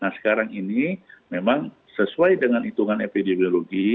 nah sekarang ini memang sesuai dengan hitungan epidemiologi